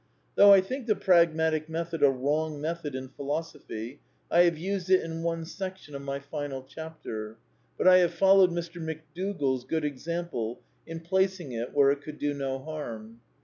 Though I think the pragmatic method a wrong metliod in philosophy I have used it in one section of my final chapter; but I have followed Mr. McDougall's good ex ample in placing it where it could do no harm.